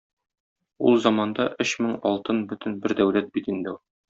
Ул заманда өч мең алтын бөтен бер дәүләт бит инде.